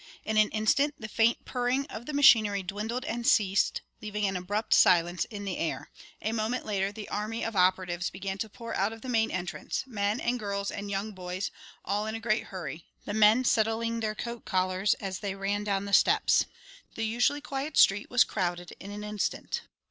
In an instant the faint purring of the machinery dwindled and ceased, leaving an abrupt silence in the air. A moment later the army of operatives began to pour out of the main entrance; men and girls and young boys, all in a great hurry, the men settling their coat collars as they ran down the steps. The usually quiet street was crowded in an instant.